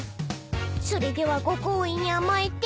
［それではご厚意に甘えて］